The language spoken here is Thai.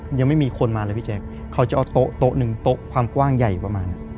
มันยังไม่มีคนมาเลยพี่แจ๊คเขาจะเอาโต๊ะหนึ่งโต๊ะความกว้างใหญ่ประมาณ